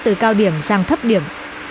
từ cao điểm sang thấp điểm